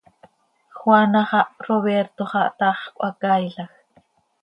Juana xah, Roberto xah, taax cöhacaailajc.